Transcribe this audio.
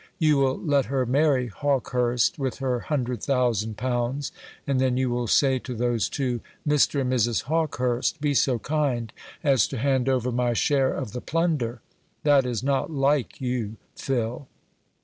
You will let her marry Hawkehurst, with her hundred thousand pounds; and then you will say to those two, 'Mr. and Mrs. Hawkehurst, be so kind as to hand over my share of the plunder.' That is not like you, Phil."